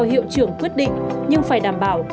hiệu trưởng quyết định nhưng phải đảm bảo